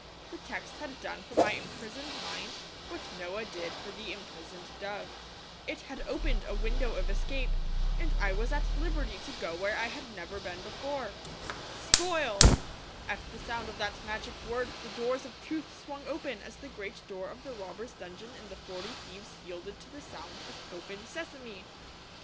The text had done for my imprisoned mind what Noah did for the imprisoned dove. It had opened a window of escape, and I was at liberty to go where I had never been before. 'Spoil!' at the sound of that magic word the doors of truth swung open as the great door of the robbers' dungeon in The Forty Thieves yielded to the sound of 'Open, Sesame!'